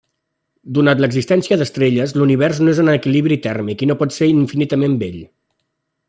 Donat l'existència d'estrelles l'univers no és en equilibri tèrmic i no pot ser infinitament vell.